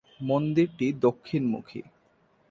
মন্দিরটি দক্ষিণমুখী।